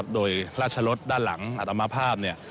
โดยราชรถด้านหลังอัตมาภาพเนี่ย